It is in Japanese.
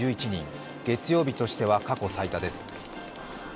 月曜日としては過去最多です。